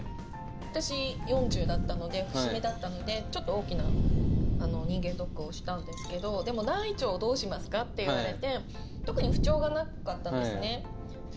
私、４０だったので節目だったのでちょっと大きな人間ドックをしたんですけどでも大腸どうしますか？って言われて特に不調がなかったんですね。